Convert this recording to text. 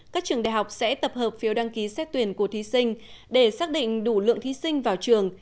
các trường đại học sẽ tập hợp phiếu đăng ký xét tuyển của thí sinh để xác định đủ lượng thí sinh vào trường